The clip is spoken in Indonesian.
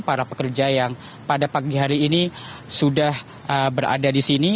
para pekerja yang pada pagi hari ini sudah berada di sini